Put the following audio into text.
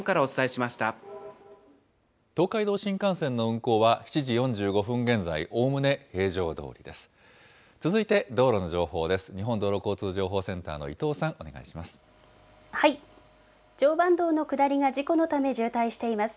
東海道新幹線の運行は、７時４５分現在、おおむね平常どおりです。